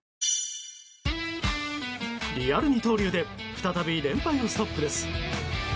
リアル二刀流で再び連敗をストップです。